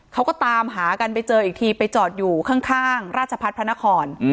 เขาก็ตามหากันไปเจออีกทีไปจอดอยู่ข้างราชพัฒน์พระนคร